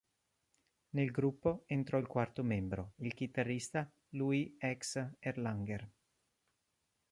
Nel gruppo entrò il quarto membro, il chitarrista Louie X. Erlanger.